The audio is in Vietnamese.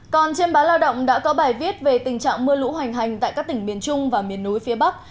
còn trên báo lao động đã có bài viết về tình trạng mưa lũ hoành hành tại các tỉnh miền trung và miền núi phía bắc